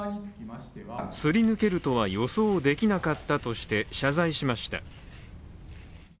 すり抜けるとは予想できなかったとして謝罪しました。